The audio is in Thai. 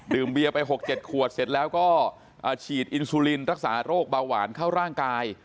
เบียร์ไป๖๗ขวดเสร็จแล้วก็ฉีดอินซูลินรักษาโรคเบาหวานเข้าร่างกาย